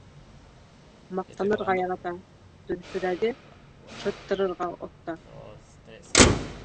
Маҡтанырға ярата, дөрөҫөрәге, «шыттырырға» оҫта.